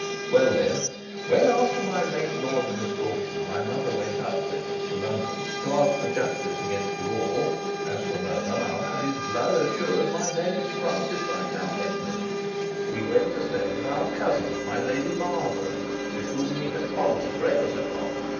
"Well, then, when after my late viscount's misfortune, my mother went up with us to London, to ask for justice against you all (as for Mohun, I'll have his blood, as sure as my name is Francis Viscount Esmond) we went to stay with our cousin my Lady Marlborough, with whom we had quarrelled for ever so long.